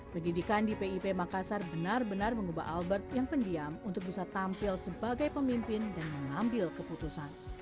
pendidikan di pip makassar benar benar mengubah albert yang pendiam untuk bisa tampil sebagai pemimpin dan mengambil keputusan